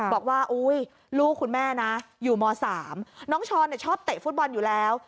บอกว่าลูกคุณแม่นะอยู่ม๓น้องช้อนชอบเตะฟุตบอลอยู่แล้ว